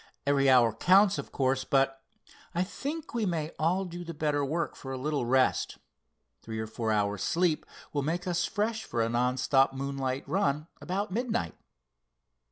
Every hour counts, of course, but I think we may do all the better work for a little rest. Three or four hours sleep will make us fresh for a non stop moonlight run about midnight."